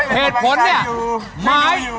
เหตุผลเนี่ย